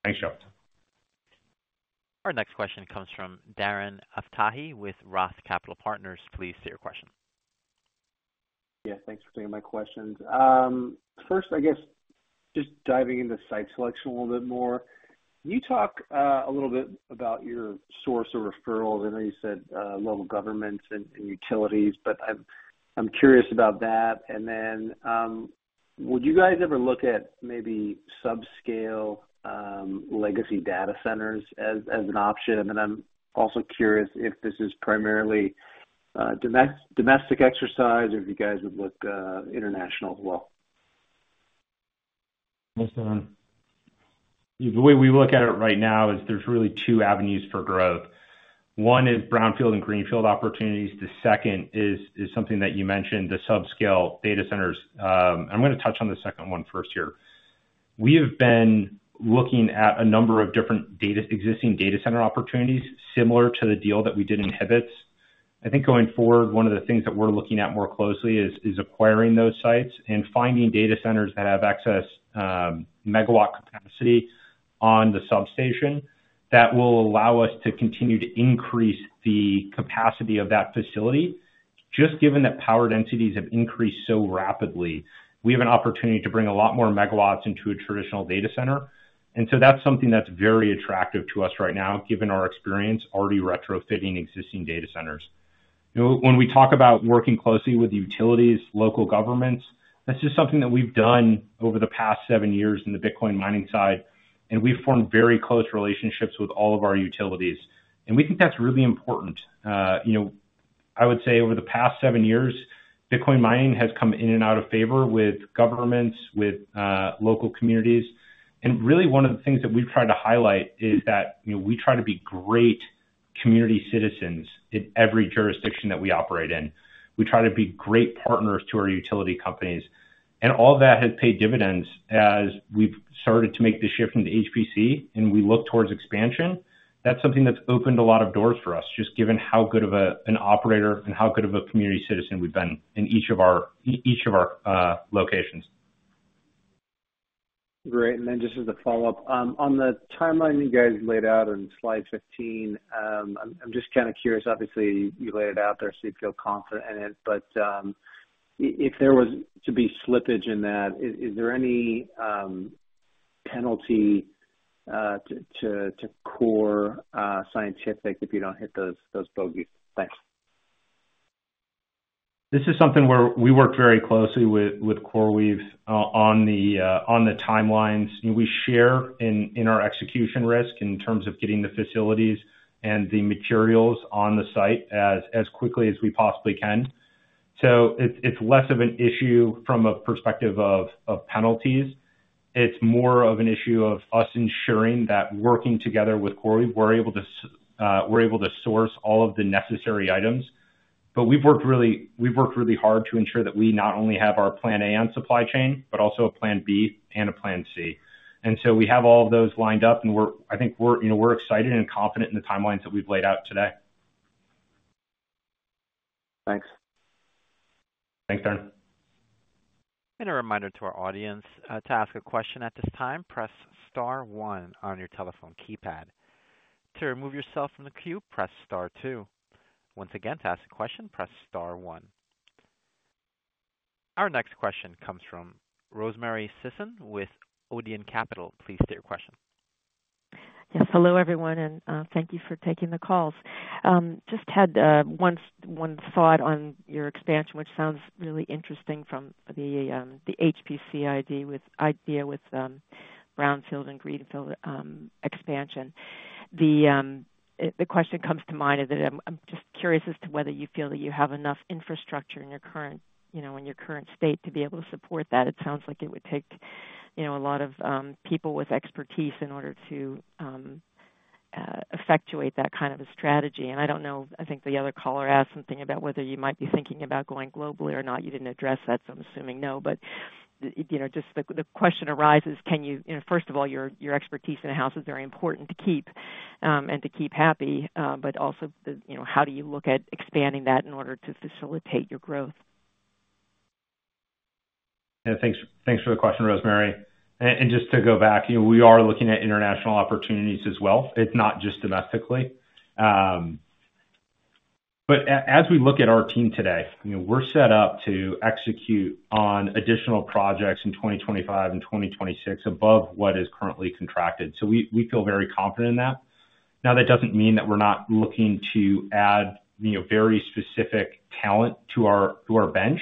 [SPEAKER 3] Thanks, Joseph.
[SPEAKER 1] Our next question comes from Darren Aftahi with Roth Capital Partners. Please state your question.
[SPEAKER 10] Yeah, thanks for taking my questions. First, I guess, just diving into site selection a little bit more. Can you talk a little bit about your source of referrals? I know you said local governments and utilities, but I'm curious about that. And then, would you guys ever look at maybe subscale legacy data centers as an option? And then I'm also curious if this is primarily domestic exercise or if you guys would look international as well.
[SPEAKER 3] Thanks, Darren. The way we look at it right now is there's really two avenues for growth. One is brownfield and greenfield opportunities. The second is something that you mentioned, the subscale data centers. I'm gonna touch on the second one first here. We have been looking at a number of different existing data center opportunities, similar to the deal that we did in Hewlett. I think going forward, one of the things that we're looking at more closely is acquiring those sites and finding data centers that have access, megawatt capacity on the substation that will allow us to continue to increase the capacity of that facility. Just given that power densities have increased so rapidly, we have an opportunity to bring a lot more megawatts into a traditional data center. And so that's something that's very attractive to us right now, given our experience already retrofitting existing data centers. You know, when we talk about working closely with utilities, local governments, that's just something that we've done over the past seven years in the Bitcoin mining side, and we've formed very close relationships with all of our utilities, and we think that's really important. You know, I would say over the past seven years, Bitcoin mining has come in and out of favor with governments, with local communities. Really, one of the things that we've tried to highlight is that, you know, we try to be great community citizens in every jurisdiction that we operate in. We try to be great partners to our utility companies, and all that has paid dividends as we've started to make the shift into HPC, and we look towards expansion. That's something that's opened a lot of doors for us, just given how good of an operator and how good of a community citizen we've been in each of our locations.
[SPEAKER 10] Great. And then just as a follow-up, on the timeline you guys laid out on slide 15, I'm just kind of curious. Obviously, you laid it out there, so you feel confident in it, but if there was to be slippage in that, is there any penalty to Core Scientific if you don't hit those bogeys? Thanks.
[SPEAKER 3] This is something where we work very closely with CoreWeave on the timelines, and we share in our execution risk in terms of getting the facilities and the materials on the site as quickly as we possibly can. So it's less of an issue from a perspective of penalties. It's more of an issue of us ensuring that working together with CoreWeave, we're able to source all of the necessary items. But we've worked really, we've worked really hard to ensure that we not only have our plan A on supply chain, but also a plan B and a plan C. And so we have all of those lined up, and we're. I think we're, you know, we're excited and confident in the timelines that we've laid out today.
[SPEAKER 10] Thanks.
[SPEAKER 3] Thanks, Darren.
[SPEAKER 1] A reminder to our audience, to ask a question at this time, press star one on your telephone keypad. To remove yourself from the queue, press star two. Once again, to ask a question, press star one. Our next question comes from Rosemary Sisson with Odeon Capital. Please state your question.
[SPEAKER 11] Yes. Hello, everyone, and thank you for taking the calls. Just had one thought on your expansion, which sounds really interesting from the HPC idea with brownfield and greenfield expansion. The question comes to mind is that I'm just curious as to whether you feel that you have enough infrastructure in your current, you know, in your current state to be able to support that. It sounds like it would take, you know, a lot of people with expertise in order to effectuate that kind of a strategy. And I don't know, I think the other caller asked something about whether you might be thinking about going globally or not. You didn't address that, so I'm assuming no. But you know, just the question arises: can you know, first of all, your expertise in the house is very important to keep and to keep happy, but also, you know, how do you look at expanding that in order to facilitate your growth?
[SPEAKER 3] Yeah, thanks, thanks for the question, Rosemary. And just to go back, you know, we are looking at international opportunities as well. It's not just domestically. But as we look at our team today, you know, we're set up to execute on additional projects in 2025 and 2026 above what is currently contracted. So we, we feel very confident in that. Now, that doesn't mean that we're not looking to add, you know, very specific talent to our, to our bench,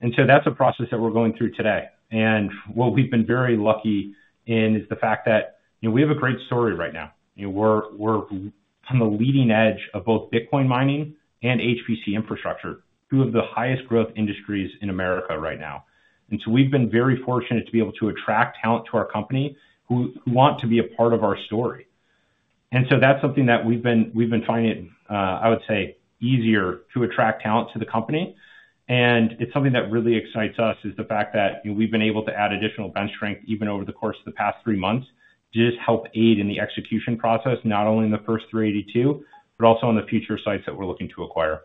[SPEAKER 3] and so that's a process that we're going through today. And what we've been very lucky in is the fact that, you know, we have a great story right now. You know, we're, we're on the leading edge of both Bitcoin mining and HPC infrastructure, two of the highest growth industries in America right now. And so we've been very fortunate to be able to attract talent to our company, who want to be a part of our story. And so that's something that we've been finding, I would say, easier to attract talent to the company, and it's something that really excites us, is the fact that, you know, we've been able to add additional bench strength even over the course of the past three months, to just help aid in the execution process, not only in the first 382, but also in the future sites that we're looking to acquire.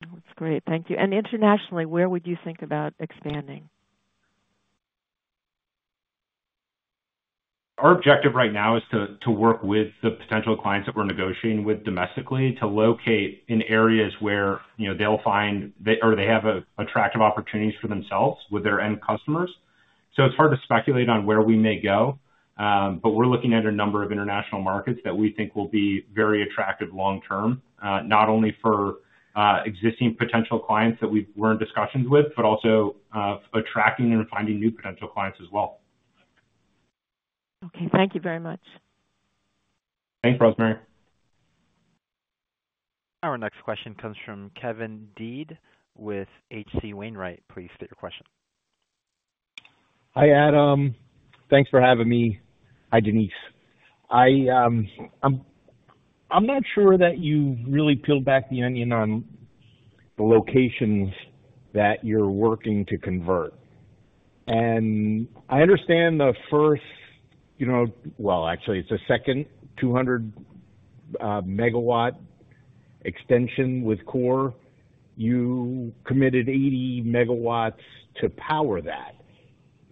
[SPEAKER 11] That's great. Thank you. Internationally, where would you think about expanding?
[SPEAKER 3] Our objective right now is to work with the potential clients that we're negotiating with domestically to locate in areas where, you know, they'll find or they have attractive opportunities for themselves with their end customers. So it's hard to speculate on where we may go, but we're looking at a number of international markets that we think will be very attractive long term, not only for existing potential clients that we're in discussions with, but also attracting and finding new potential clients as well.
[SPEAKER 11] Okay, thank you very much.
[SPEAKER 3] Thanks, Rosemary.
[SPEAKER 1] Our next question comes from Kevin Dede with H.C. Wainwright. Please state your question.
[SPEAKER 12] Hi, Adam. Thanks for having me. Hi, Denise. I'm not sure that you've really peeled back the onion on the locations that you're working to convert. I understand the first, you know—well, actually, it's the second 200 MW extension with Core. You committed 80 MW to power that.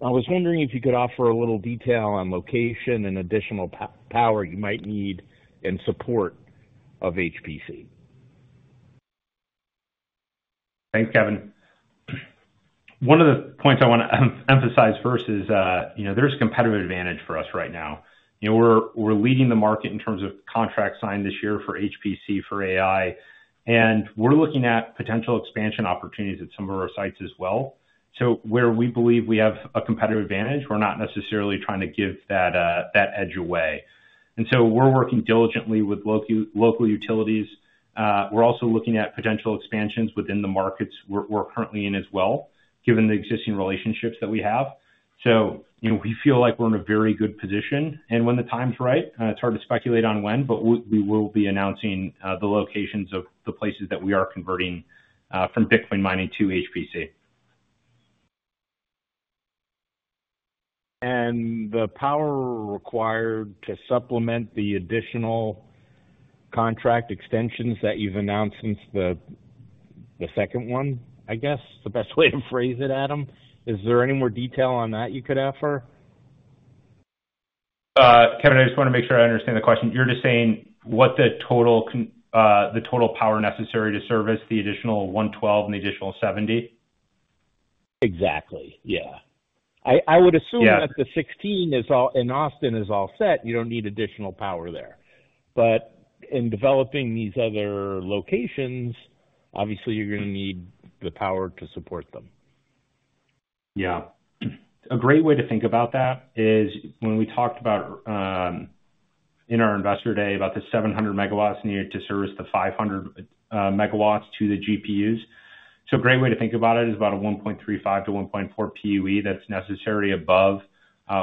[SPEAKER 12] I was wondering if you could offer a little detail on location and additional power you might need in support of HPC.
[SPEAKER 3] Thanks, Kevin. One of the points I want to emphasize first is, you know, there's competitive advantage for us right now. You know, we're, we're leading the market in terms of contracts signed this year for HPC, for AI, and we're looking at potential expansion opportunities at some of our sites as well. So where we believe we have a competitive advantage, we're not necessarily trying to give that, that edge away. And so we're working diligently with local utilities. We're also looking at potential expansions within the markets we're, we're currently in as well, given the existing relationships that we have. You know, we feel like we're in a very good position, and when the time's right, it's hard to speculate on when, but we will be announcing the locations of the places that we are converting from Bitcoin mining to HPC.
[SPEAKER 12] The power required to supplement the additional contract extensions that you've announced since the second one, I guess, the best way to phrase it, Adam, is there any more detail on that you could offer?
[SPEAKER 3] Kevin, I just want to make sure I understand the question. You're just saying what the total power necessary to service the additional 112 and the additional 70?
[SPEAKER 12] Exactly, yeah.
[SPEAKER 3] Yeah.
[SPEAKER 12] I would assume that the 16 is all in Austin is all set. You don't need additional power there. But in developing these other locations, obviously you're going to need the power to support them.
[SPEAKER 3] Yeah. A great way to think about that is when we talked about in our Investor Day, about the 700 megawatts needed to service the 500 megawatts to the GPUs. So a great way to think about it is about a 1.35-1.4 PUE that's necessary above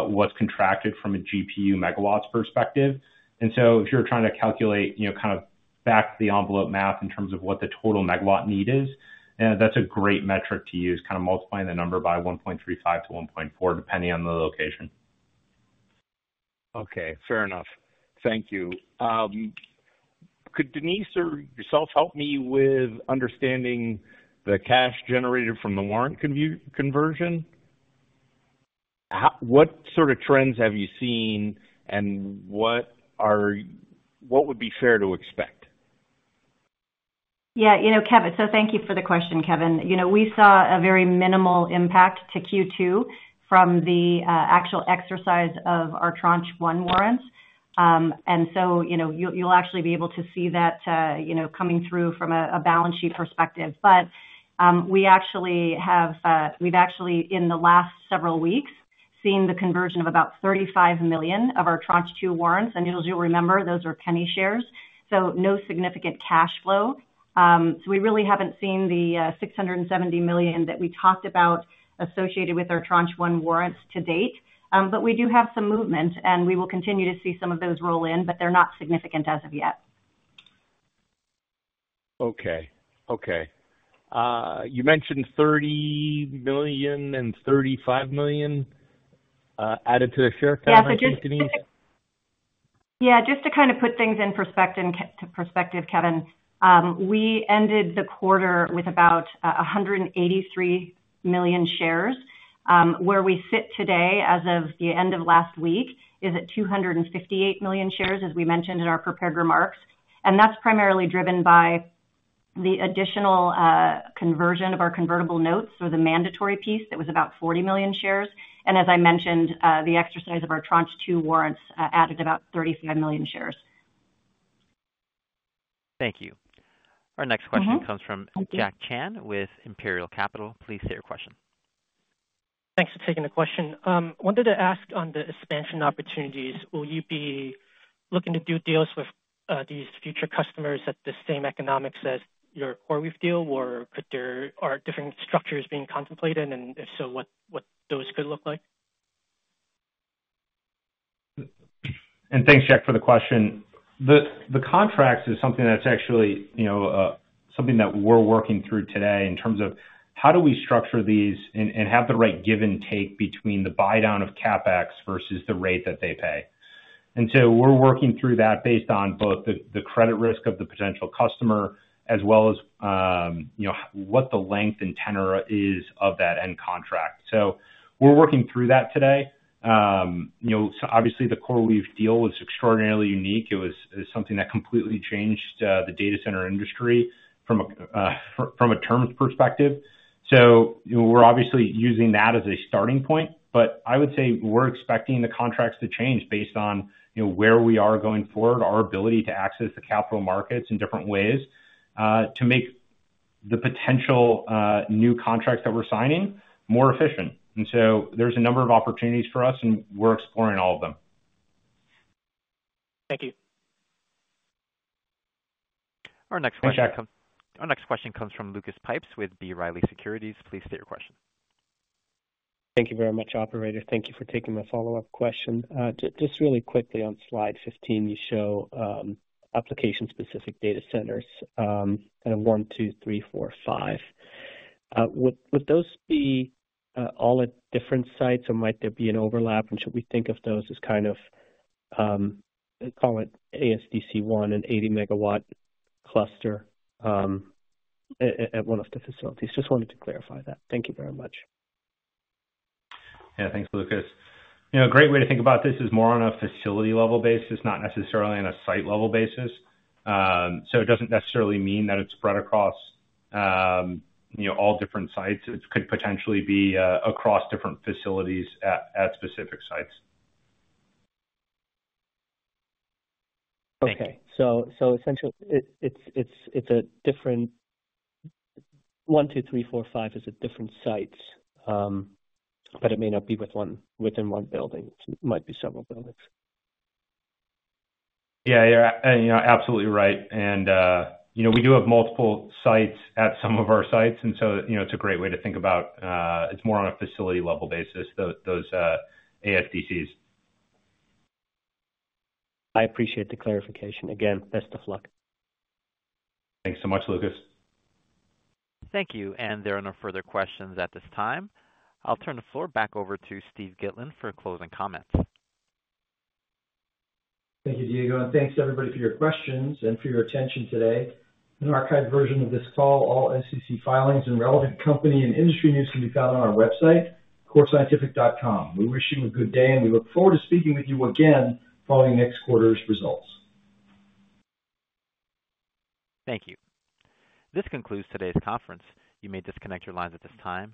[SPEAKER 3] what's contracted from a GPU megawatts perspective. And so if you're trying to calculate, you know, kind of back-of-the-envelope math in terms of what the total megawatt need is, that's a great metric to use, kind of multiplying the number by 1.35-1.4, depending on the location.
[SPEAKER 12] Okay, fair enough. Thank you. Could Denise or yourself help me with understanding the cash generated from the warrant conversion? What sort of trends have you seen, and what would be fair to expect?
[SPEAKER 4] Yeah, you know, Kevin, so thank you for the question, Kevin. You know, we saw a very minimal impact to Q2 from the actual exercise of our Tranche 1 warrants. And so, you know, you'll actually be able to see that, you know, coming through from a balance sheet perspective. But, we've actually, in the last several weeks, seen the conversion of about 35 million of our Tranche 2 warrants, and as you'll remember, those are penny shares, so no significant cash flow. So we really haven't seen the $670 million that we talked about associated with our Tranche 1 warrants to date. But we do have some movement, and we will continue to see some of those roll in, but they're not significant as of yet.
[SPEAKER 12] Okay. Okay. You mentioned 30 million and 35 million added to the share count, I think, Denise?
[SPEAKER 4] Yeah, just to kind of put things in perspective, perspective, Kevin, we ended the quarter with about 183 million shares. Where we sit today, as of the end of last week, is at 258 million shares, as we mentioned in our prepared remarks, and that's primarily driven by the additional conversion of our convertible notes or the mandatory piece that was about 40 million shares. And as I mentioned, the exercise of our Tranche 2 warrants added about 35 million shares.
[SPEAKER 12] Thank you.
[SPEAKER 4] Mm-hmm. Thank you.
[SPEAKER 1] Our next question comes from Jack Chan with Imperial Capital. Please state your question.
[SPEAKER 13] Thanks for taking the question. Wanted to ask on the expansion opportunities, will you be looking to do deals with these future customers at the same economics as your CoreWeave deal, or are different structures being contemplated? And if so, what, what those could look like.
[SPEAKER 3] And thanks, Jack, for the question. The contracts is something that's actually, you know, something that we're working through today in terms of how do we structure these and, and have the right give and take between the buy down of CapEx versus the rate that they pay. And so we're working through that based on both the credit risk of the potential customer as well as, you know, what the length and tenor is of that end contract. So we're working through that today. You know, so obviously the CoreWeave deal was extraordinarily unique. It was, it's something that completely changed the data center industry from a terms perspective. So, you know, we're obviously using that as a starting point, but I would say we're expecting the contracts to change based on, you know, where we are going forward, our ability to access the capital markets in different ways to make the potential new contracts that we're signing more efficient. And so there's a number of opportunities for us, and we're exploring all of them.
[SPEAKER 13] Thank you.
[SPEAKER 1] Our next question-
[SPEAKER 3] Thanks, Jack.
[SPEAKER 1] Our next question comes from Lucas Pipes with B. Riley Securities. Please state your question.
[SPEAKER 6] Thank you very much, operator. Thank you for taking my follow-up question. Just really quickly on slide 15, you show application-specific data centers, kind of 1, 2, 3, 4, 5. Would those be all at different sites, or might there be an overlap? And should we think of those as kind of, call it ASDC 1, an 80-megawatt cluster, at one of the facilities? Just wanted to clarify that. Thank you very much.
[SPEAKER 3] Yeah. Thanks, Lucas. You know, a great way to think about this is more on a facility level basis, not necessarily on a site level basis. So it doesn't necessarily mean that it's spread across, you know, all different sites. It could potentially be across different facilities at specific sites.
[SPEAKER 6] Okay.
[SPEAKER 3] Thank you.
[SPEAKER 6] So essentially, it's a different one, two, three, four, five is a different sites, but it may not be within one building. It might be several buildings.
[SPEAKER 3] Yeah, you're, you know, absolutely right. And, you know, we do have multiple sites at some of our sites, and so, you know, it's a great way to think about, it's more on a facility level basis, those ASDCs.
[SPEAKER 6] I appreciate the clarification. Again, best of luck.
[SPEAKER 3] Thanks so much, Lucas.
[SPEAKER 1] Thank you, and there are no further questions at this time. I'll turn the floor back over to Steve Gitlin for closing comments.
[SPEAKER 2] Thank you, Diego, and thanks everybody for your questions and for your attention today. An archived version of this call, all SEC filings and relevant company and industry news can be found on our website, coresci.com. We wish you a good day, and we look forward to speaking with you again following next quarter's results.
[SPEAKER 1] Thank you. This concludes today's conference. You may disconnect your lines at this time.